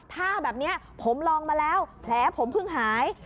ถ้าแบบนี้ผมลองมาแล้วแผลผมเพิ่งหาย